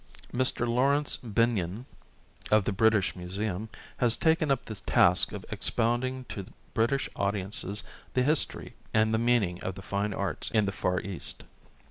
Mr. Laurence Binyon, of the British Museum, has taken up the task of expounding to British audiences the history and the meaning of the Fine Arts in the Far East.